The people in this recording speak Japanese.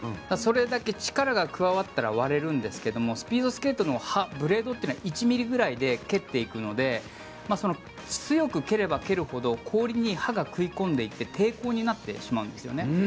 それだけ力が加わったら割れるんですけどもスピードスケートの刃ブレードというのは１ｍｍぐらいで蹴っていくので強く蹴れば蹴るほど氷に刃が食い込んでいって抵抗になってしまうんですよね。